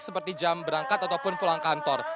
seperti jam berangkat ataupun pulang kantor